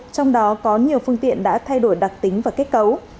trong đó có nhiều phương tiện đã thay đổi đặc tính và kết cấu